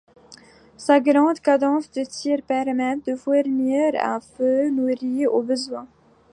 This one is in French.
Sa grande cadence de tir permettait de fournir un feu nourri au besoin.